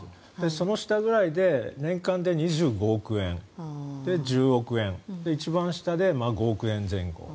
その下ぐらいで年間で２５億円、１０億円一番下で５０億円前後。